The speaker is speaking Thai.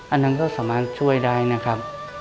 อันนั้นก็สามารถช่วยได้นะครับ